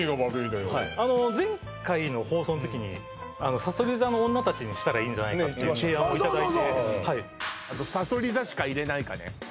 あの前回の放送の時にさそり座の女達にしたらいいんじゃないかっていう提案をいただいてあっそうそうそうあとさそり座しか入れないかね